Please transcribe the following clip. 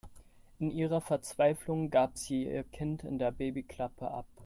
In ihrer Verzweiflung gab sie ihr Kind in der Babyklappe ab.